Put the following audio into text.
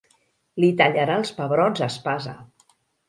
Li tallarà els pebrots a espasa.